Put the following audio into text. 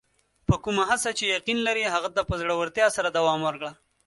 په کومه هڅه چې یقین لرې، هغه ته په زړۀ ورتیا سره دوام ورکړه.